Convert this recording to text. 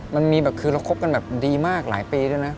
มันมีแบบคือเราคบกันแบบดีมากหลายปีด้วยนะ